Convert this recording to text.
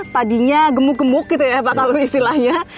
tadinya gemuk gemuk gitu ya pak kalau istilahnya